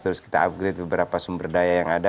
terus kita upgrade beberapa sumber daya yang ada